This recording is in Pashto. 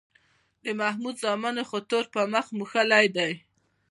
د محمود زامنو خو تور په مخ موښلی دی